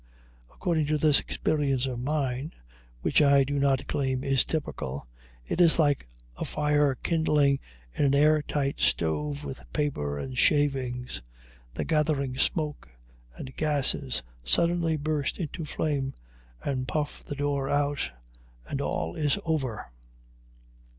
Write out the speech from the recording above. According to this experience of mine, which I do not claim is typical, it is like a fire kindling in an air tight stove with paper and shavings; the gathering smoke and gases suddenly burst into flame and puff the door out, and all is over.